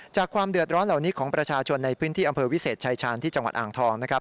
ความเดือดร้อนเหล่านี้ของประชาชนในพื้นที่อำเภอวิเศษชายชาญที่จังหวัดอ่างทองนะครับ